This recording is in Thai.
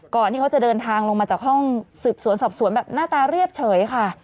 ที่เขาจะเดินทางลงมาจากห้องสืบสวนสอบสวนแบบหน้าตาเรียบเฉยค่ะ